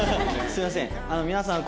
すみません。